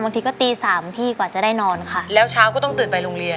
บางทีก็ตีสามพี่กว่าจะได้นอนค่ะแล้วเช้าก็ต้องตื่นไปโรงเรียน